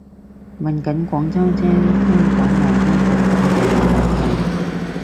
問緊廣州啫，香港戇 𨳊 到底就無謂提